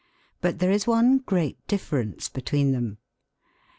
But there is one great difference between them.